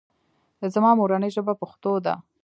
زما مورنۍ ژبه پښتو ده